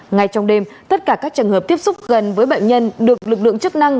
ngay trong đêm tất cả các trường hợp tiếp xúc gần với bệnh nhân được lực lượng chức năng